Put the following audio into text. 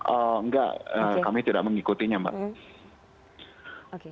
enggak kami tidak mengikutinya mbak